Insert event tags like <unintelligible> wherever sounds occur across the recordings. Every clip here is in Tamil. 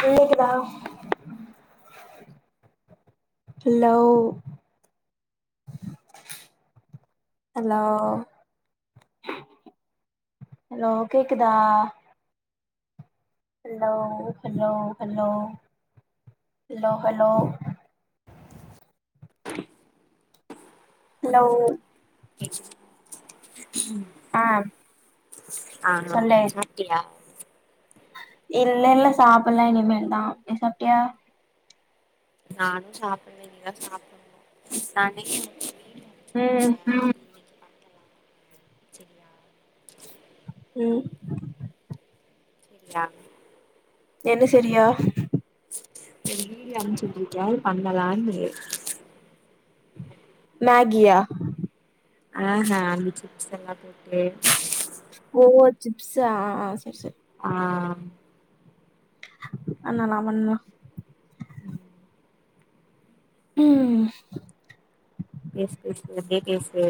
கேக்குதா ஹலோ ஹலோ ஹலோ கேக்குதா hello hello hello hello hello hello ஆ ஆ ஆ சொல்லு சாப்டியா இல்ல இல்ல சாப்டலா இனிமே தா நீ சாப்டியா நானு சாப்டல இனி தா சாப்புடணும் நானு ம் அம்ச்சுட்ருக்கே அது இன்னைக்கு பண்ணலா செரியா ம் சாப் என்ன செரியா ஒரு வீடியோ அம்ச்சி விட்ருக்கியே அத பண்ணலா மேகியா ஆ ஹா அந்த சிப்ஸ்ல்லா போட்டு ஓ சிப்ஸா ஆ செரி செரி ஆ ஆனா நா பண்ணலா உம் உம் பேஸ் பேஸ் எப்டியே பேசு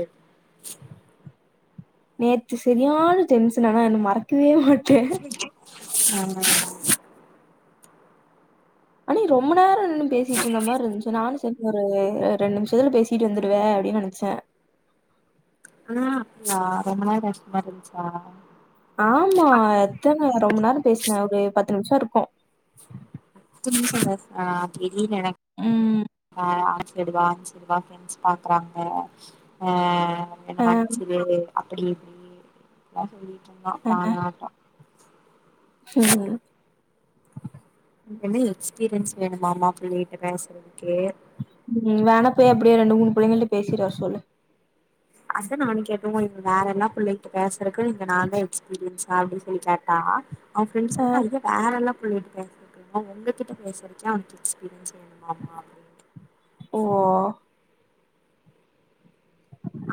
நேற்று சரியான டென்ஷன் ஆனா என்ன மறக்கவே மாட்டே <inaudible> ஆமா அடி நி ரொம்ப நேரம் நின்னு பேசிட்டு இருந்த மாதிரி இருந்துச்சு நானும் செரி ஒரு ரெண்டு நிமிஷத்துல பேசிட்டு வந்துடுவ அப்படின்னு நினைச்சேன் ஆஹ் அப்டியா ரொம்ப நேர பேசுன மாதிரி இருந்துச்சா ஆமா எத்தன வா ரொம்ப நேரம் பேசினேன் ஒரு பத்து நிமிஷம் இருக்கும் பத்து நிமிஷம் பேசுன அ அப்படி நி நெனப்ப ம். ஆஹ் விட்டுடுவா ஃப்ரெண்ட்ஸ் பாக்குறாங்க ஆஹ் என்ன அ, மன்சுரு அப்படி இப்படி என்ல்லா சொல்லி ஆமா சாமியாட்டம் உம் எது எக்ஸ்பீரியன்ஸ் வேணுமாமா பிள்ளைட்ட பேசுற உம் வேண போய் அப்படியே ரெண்டு மூணு பிள்ளைங்கள்ட்ட பேசிட்டு வர சொல்லு அத நானும் கேட்டங்க இங்க வேற என்ன பிள்ளைங்கட்ட பேச இத்தனைக்கும் இங்க நா தா எக்ஸ்பீரியன்ஸ் அப்படின்னு சொல்லி கேட்டா அவ ஃப்ரெண்ட்ஸ் அ, சொல்ற வேரல்லாம் புள்ளட்ட பேசுறதுகிள்ளையமா உங்ககிட்ட பேசறதுக்க அவனுக்கு எக்ஸ்பீரியன்ஸ் வேணுமாமா அப்படின் ஓவ்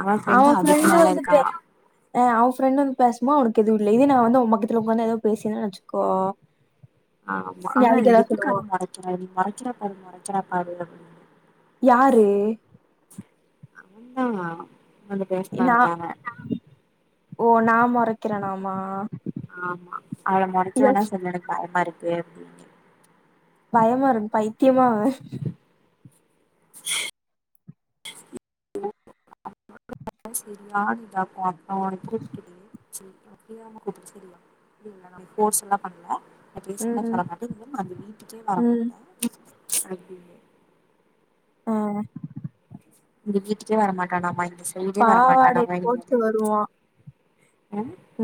அவன் ஃப்ரெண்ட் அதிகால இருக்கன் ஆஹ் அவன்ஃப்ரெண்ட் வந்து பேசும்போ அவனுக்கு எதுவும் இல்லை இதே நான் வந்து உன் பக்கத்துல உக்காந்து ஏதோ பேசுனேன்னு வச்சுக்கோ ஆமா நீ ஆனா அதுக்கு ஏதாவது இதுக்கு சொல்லுவா? கது மொறைக்கிற நீ மொறைக்கிற மரி போரக்காது அப்டினா யாரு அவன் தான் வந்து பேசின நான் தால ஓ நான் மொறைக்கிறேனா மா ஆமா அவளை மொறச்சு வேணாம் சொல்லு எனக்கு பயமா இரு வேற இல்லாங்கா பயமா இருக்கு பைத்தியமா அவன் ச்சு சரியாலி இவ காதி ஆஹா புடிக்குது செரி ஃப்ரீயரா கூப்பிட சொல்லாம் செரியா புரியல நான் கோர்ஸ் எல்லாம் பண்ணல அப்படியே சொன்னா ம், பரவாயில்ல இரு நான் அந்த வீட்டுக்கே வர ம். மாட்டேன் ச்சி அப்டினே ஆஹ இனி வீட்டுக்கே வர மாட்டான் ஆமா பாவாடை போட்டு வருவான்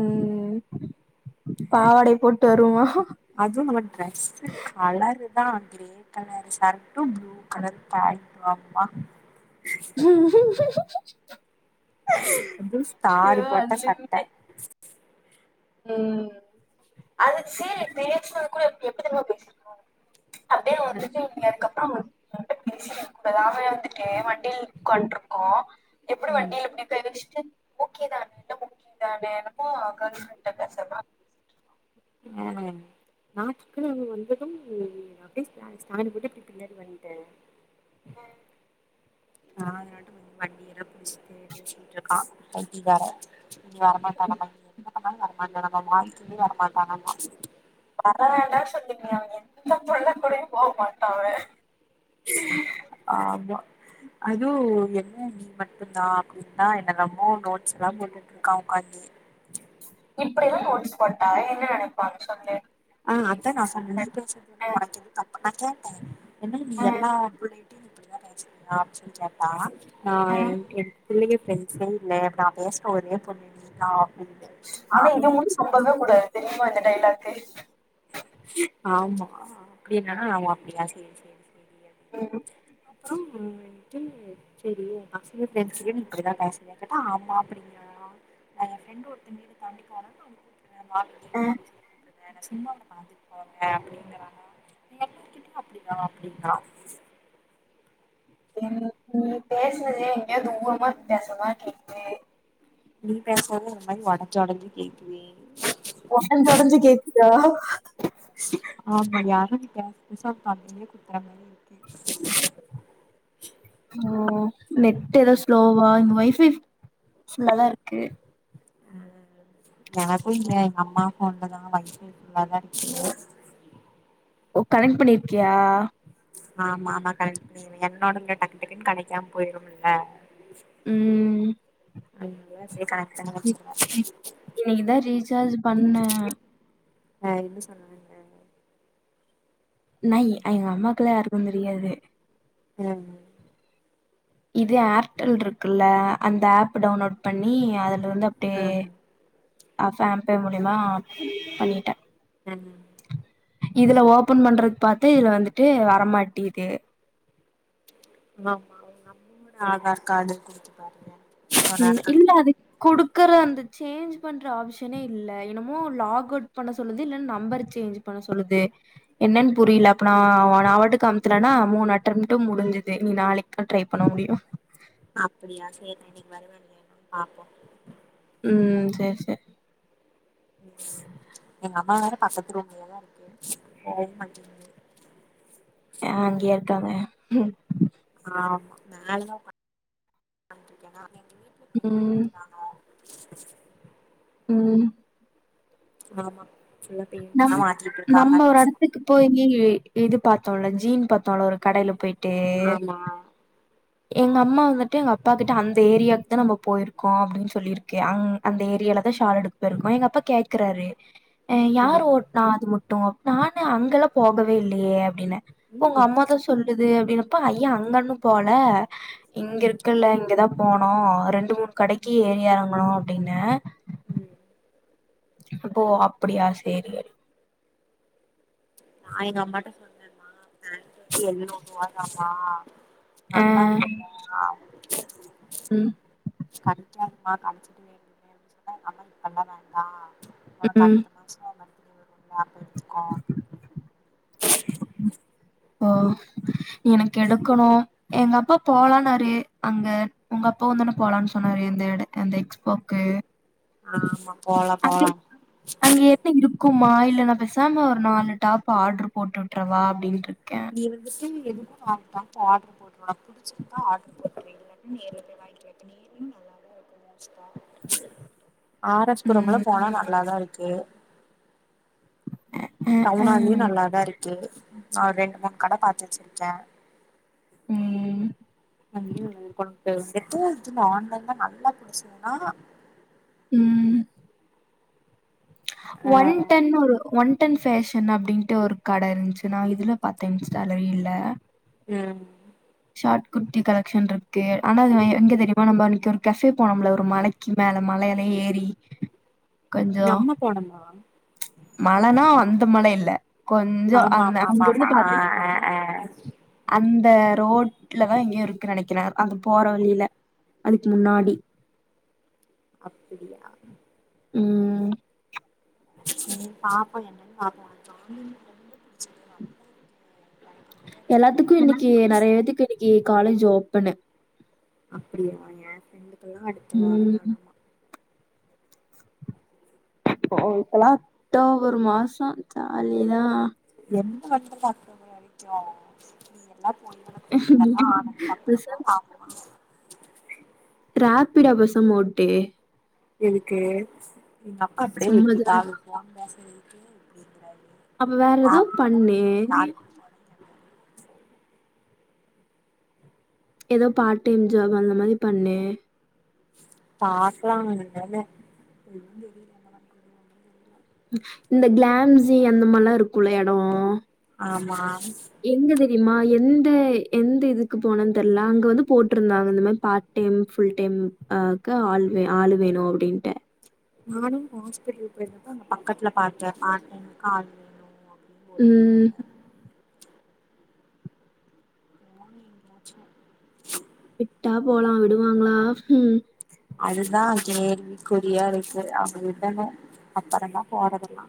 உம் உம் வருவான். அதுவும் இல்லமா டிரஸ் கலரு தான் கிரே கலர் சர்டும் ப்ளூ கலர் பேண்ட்டும் வந்தான் ம்குங் ம்குங் ம்ம்ம் அதுவும் ஸ்டாரு போட்ட சட்டை ச்சு உம் அது செரி பேச்சினது கூட எப்படி தெரியுமா பேசிருக்கான் அப்படியே வந்துட்டு இவுங்க அதுக்கப்புறம் அவண்ட்ட பேசவே கூடாது வந்து ஏன் வண்டில உட்காந்து இருக்கோம் எப்படி ம் வண்டியில இப்படி ஃப்ரெண்ட் ஓகே தானே எல்லாம் ஓகே தானே எனக்கும் கேல் ஃப்ரெண்ட் கிட்ட பேசவா ஆஹ நாட்டுக்குள்ள வந்ததும் அப்படியே ஸ்டாண்ட் போட்டு அப்டியே பின்னாடி வந்துட்டேன் ஆஹ அதன மட்டும் கொஞ்சம் வண்டியெல்லாம் புடிச்சு தேடிச்சிட்டு இருக்கான் பைத்தியக்காரன் நீ வரமாட்டனாம வரமாட்ட ஆம் வரமாட்டானம்மா மால்கே வரமாட்டானம்மா வர வேண்டாம் சொன்னீங்க அவன் எந்த புள்ள கூடையும் போக மாட்டான் அவன் ஆ ஆமா அதுவும் என்ன நீ மட்டும்தான் அப்டின்னா என்னல்லமோ நோட்ஸ் எல்லாம் போட்டுட்டு இருக்கா உக்காந்து இப்படில்லாம் நோட்ஸ் போட்டா என்ன நினைப்பாங்க சொல்லு ஆஹ அப்போ நான் சொன்னேன் நீ பேசறதுன்னா அஹ், உனக்கு எதுக்கு தப்பு நான் கேட்டேன் என்ன நீ அஹ், எல்லா அப்டி இப்டிதான் பேசுறங்களா அப்டின்னு சொல்லி கேட்டா ஆஹ அஹ். என் இல்லைங்க ஃப்ரெண்ட்ஸே இல்லை இப்ப நான் பேசின ஒரே பொண்ணுன்னா ஆனா இத மட்டும் நம்பவே கூடாது தெரியமா வந்துட்டேன் இப்ப தெரிஞ் ஆமா அப்டினா அவ அப்டியா செரி செரி செரி ம் அப்புறோ என்ட்டு செரி நா பசங்க ஃப்ரண்ட்ஸ்ல இப்டி தா பேசுவியான்னு கேட்டா ஆமா அப்டிங்கிறா நா எ ஃப்ரெண்ட் ஒருத்த வீட தாண்டி போனா <unintelligible> ஆ நா சும்மா உன்ன பாத்துட்டு போறே அப்டிங்கறானா நீங்க எல்லார்கிட்டயும் அப்டி தா நீங்க பேசரதே எங்கயோ தூரமா பேசற மாரி கேக்குதே நீ பேசறது ஒரு மாரி ஒடஞ்சி ஒடஞ்சி கேக்குதே ஒடஞ்சி ஒடஞ்சி கேக்குதா ஆமா யாரோ பேச பேச <unintelligible> ஓ நெட் எதா ஸ்லோவா இந்த ஒய்ஃபைலா தா இருக்கு ம்ம் எனக்கு இங்க எங்க அம்மாக்கு ஒன்னு தா ஒய்ஃபை ஃபுல்லா தா இருக்கு ஓ கனெக்ட் பண்ணிருக்கியா ஆமா ஆமா கனெக்ட் பண்ணிருக்க என்னோட இங்க டக்குட்டுக்குன்னு கடைக்காம போயிரும்ல ம்ம் அன்னால சேரி கனெ இன்னைக்கு தா ரீசார்ஜ் பண்ணேன் ஆ என்ன சொன்னாங்க நை எங்க அம்மாக்குல்லா யாருக்கு தெரியாது ம்ம் இது ஏர்டெல் இருக்குல்ல அந்த ஆப் டவுன்லோட் பண்ணி அதுல அது வந்து ஆ ஆ அப்டியே ஆமா ஃபேம்பே மூலிமா பண்ணிட்டேன் உங்க இதுல ஓபன் பண்றது பாத்து இதுல வந்துட்டு வரமாட்டிது ஆமாங்க அம்மோட ஆதார் காடு குடுத்து பாருங்க கொஞ்ச நேரோ ம்ம் இல்ல கழிச்சு அது குடுப் க்கிற அந்த சேஞ்ச் பண்ற ஆப்ஷனே இல்ல என்னமோ லாக் அவுட் பண்ண சொல்லுது இல்ல நம்பர் சேஞ்ச் பண்ண சொல்லுது என்னன்னு புரில அப்ப நா பாட்டுக்கு அமுத்து நன்னா மூணு அட்டமட்டு முடிஞ்சது இனி நாளைக்கு தா ட்ரை பண்ண முடியும் அப்டியா சரி நா இன்னிக்கு வருவேன்லையா பாப்போம் ம்ம் சேரி சேரி எங்க அம்மா வேற பக்கத்து ரூம்லதா இருக்கு போக மாட்டேங்குது அங்கய காங்க ம் ஆமா நாலா <inaudible> ம் ம் ஆமா ஃபுல்லா நம் பெயிண்ட்லா மாத்திட்டு இருக்காங்க நம்ம ஒரு எடத்துக்கு போயி இது பாத்தோல ஜீன் பாத்தோல ஒரு கடைல போயி ஆமா எங்கம்மா வந்துட்டு எங்க அப்பா கிட்ட அந்த ஏரியாக்கு தா நம்ப போயிருக்கோ அப்டின் சொல்லிருக்கே அங் அந்த ஏரியால தா ஷால் எடுக் போயிருக்கோ எங்கப்பா கேக்குறாரு யாரு ம் நா அது முட்டு நானு அங்கெல்லா போகவே இல்லையே அப்டின்னெ ம் உங்கம்மாதா சொல்லுது அப்டினா இப்ப ஐயா அந்தன்னு போல ம் இங்கருக்கல்ல இங்கதா போனோ ரெண்டு மூணு கடைக்கி ஏறி எறங்கனொ ப்டின்ன உம் போ அப்புடியா சேரி நா எங்க அம்மாட்ட சொன்னே மா பேண்ட் வந்து எல் நூருவாதாமா அ நல்லாருக்குல்ல ஆ ம், கரெட்டா <unintelligible> ஒனக்கு ம். அடுத்த மாசொ <unintelligible> <unintelligible> ஓ எனக்கு எடுக்கணு எங்க அப்பா போலானாரு அங்க உங்க அப்பா வந்தொன போலான் சொன்னாரு இந்த‌ எட அந்த எக்ஸ்போக்கு ஆமா போலா போலா மா இல்ல நா பேசாம ஒரு நாலு டாப் ஆர்டர் போட்டு வுட்றவா அப்டின்ருக் நீ வந்துட்டு எதுக்கு நாலு டாப் ஆர்டர் போடு ஒனக்‌கு புடிச்சுருந்தா ஆர்டர் போடு <unintelligible> ஆரஸ்புரம்ல ம். போனா நல்லாதான் இரு க்கு அ, அ, டவுன் ஹாலு அ. நல்லதா இருக் கு நான் ஒரு ரெண்டு மூணு கட பாத்து வச்சிருக்கேன் உம் ஐயோ <unintelligible> ஆன்லைன் தான் நல்லா புடிச்சதுன்னா உம் அ ஒன் டென்னூரு ஒன் டென் பேஷன் அப்படின்ட்டு ஒரு கட இருந்துச்சு நான் இதுல பாத்தேன் இன்ஸ்டா ரீல்ல உம் ஷார்ட் குர்த்தி கலெக்ஷன் இருக்கு ஆனா எங்க தெரியுமா நம்ம இன்னைக்கு ஒரு கஃபே போனோம்ல ஒரு மலைக்கு மேல மலையில ஏறி நம்ம போனோம்மா மழைனா வந்த மழை இல்ல கொஞ்சோ ஆமா அந்த மா மா மா அங்கிருந்து மா பாத்து ஆஹ்ஹ் ஹ் அந்த ரோட்லதான் எங்கயோ இருக்குன்னு நினைக்கிறேன் அந்த போற வழியில அதுக்கு முன்னாடி அப்பிடியா உம்ம் உம் பாப்போம் என்னனு பாப்போம் எல்லாத்துக்கும் இனனக்கு நெறைய இது கிடைக்கும் ஏன் காலேஜ் ஓபனு அப்பிடியா அடுத்த வாரம் ம். தானாமா இப்போ இப்பெல்லாம் அக்டோபர் மாசம் ஜாலிதான் எந்த பேசாம <unintelligible> <unintelligible> <unintelligible> எனக்கு <unintelligible> சும்மா ஜாலி <unintelligible> அப்ப வேற ஏதோ பண்ணேண் யாருக்கு ஃபோன் ஏதோ பார்ட் டைம் ஜாப் அந்த மாரி பண்ணேண் பாக்லாம் இந்த கிளாம்ஸி எந்த மாரிலாம் இருக்கும் எடம் ஆமா எங்க தெரியுமா எந் எ எந்த இதுக்கு போனன்னு தெரியல அங்க வந்து போட்ருந்தாங்க இந்த மாரி பார்ட் டைம் ஃபுல் டைம் ஆஹ் ஆள் ஆள் வேணும் அப்படின்ட்டு நானும் ஹாஸ்பிட்டலு பேயிருந்தப்ப அங்க பக்கத்துல பார்த்தேன் பார்ட் டைம்கு ஆள் வேணுனு உம் <inaudible> விட்டா போலா விடுவாங்ளா ம் அதுதான் கேள்விக்குரியா இருக்கு அவங்க விடனும் அப்பறம தா போறது எல்லா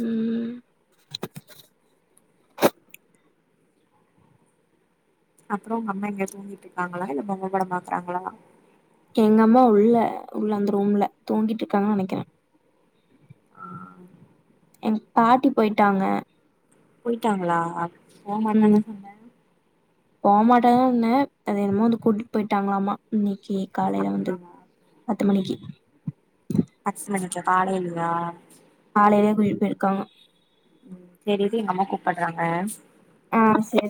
ம் அப்றோ உங்க அம்மா எங்க தூங்கிட்டு இருக்காங்களா இல்ல பொம்மை படம் பாக்குறாங்களா எங்கம்மா உள்ள உள்ள அந்த ரூம்ல தூங்கிட்டு இருக்காங்கனு நெனைக்கிறேன் எங் பாட்டி போயிட்டாங்க போயிட்டாங்களா ஆ போ மாட்டாங்க சொன்ன போமாட்டக தா ன்னேன் அது என்னமோ வந்து கூட்டிட்டு போயிட்டாங்களாமா எ காலைல வந்து அப்படியா பத்து மணிக்கு <unintelligible> காலையிலே கூட்டிடு போயிருக்காங்க உம் சரி இரு எங்க அம்மா கூப்பிடடுறாங்க ஆஹ் சரி